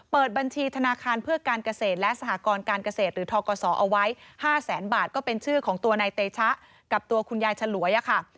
เปิดบัญชีธนาคารเพื่อการเกษตรและสหกรการเกษตรหรือทกศเอาไว้๕แสนบาทก็เป็นชื่อของตัวนายเตชะกับตัวคุณยายฉลวยค่ะ